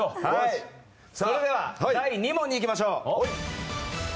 それでは第２問にいきましょう。